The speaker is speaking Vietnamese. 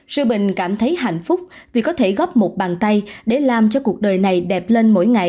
sư bình cảm thấy hạnh phúc vì có thể góp một bàn tay để làm cho cuộc đời này đẹp lên mỗi ngày